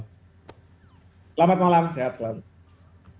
selamat malam sehat selalu